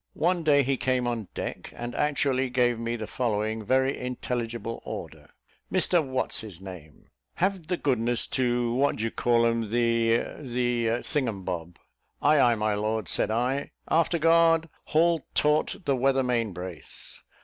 One day he came on deck, and actually gave me the following very intelligible order. "Mr, What's his name, have the goodness to what do ye call 'em, the, the thingumbob." "Ay, ay, my lord," said I. "Afterguard! haul taut the weather main brace."